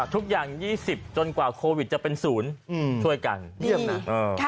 ทุกอย่าง๒๐จนกว่าโควิดจะเป็นศูนย์ช่วยกันเยี่ยมนะ